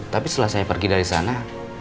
tapi setelah saya pergi dari sana